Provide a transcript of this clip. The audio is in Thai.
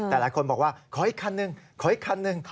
แต่หลายคนบอกว่าขออีกคันหนึ่งขออีกคันหนึ่ง